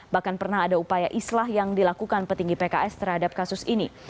bahkan pernah ada upaya islah yang dilakukan petinggi pks terhadap kasus ini